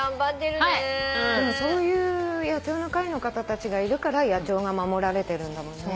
そういう野鳥の会の方たちがいるから野鳥が守られてるんだもんね。